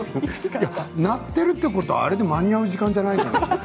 鳴っているってことは、あれで間に合う時間じゃないということですよ。